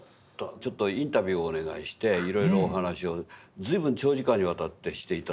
ちょっとインタビューをお願いしていろいろお話を随分長時間にわたってして頂いて。